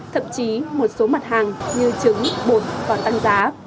thậm chí một số mặt hàng như trứng bột còn tăng giá